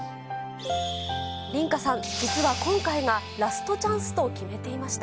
リンカさん、実は今回がラストチャンスと決めていました。